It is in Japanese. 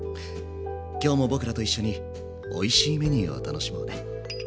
今日も僕らと一緒においしいメニューを楽しもうね。